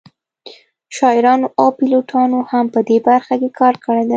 شاعرانو او پیلوټانو هم په دې برخه کې کار کړی دی